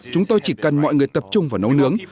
chúng tôi chỉ cần mọi người tập trung vào nấu nướng